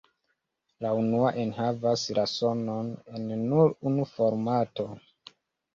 La unua enhavas la sonon en nur unu formato.